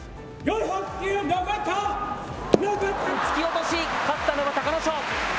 突き落とし、勝ったのは隆の勝。